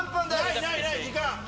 ないないない時間。